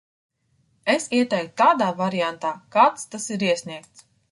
Es ieteiktu tādā variantā kāds tas ir iesniegts.